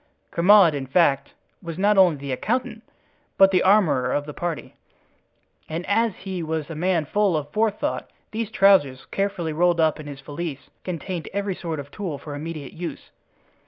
Grimaud, in fact, was not only the accountant, but the armorer of the party; and as he was a man full of forethought, these trousers, carefully rolled up in his valise, contained every sort of tool for immediate use.